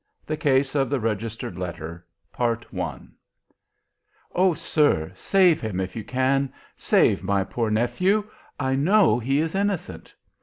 THE CASE OF THE REGISTERED LETTER "Oh, sir, save him if you can save my poor nephew! I know he is innocent!"